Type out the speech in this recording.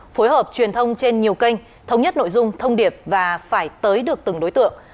phối hợp truyền thông trên nhiều kênh thống nhất nội dung thông điệp và phải tới được từng đối tượng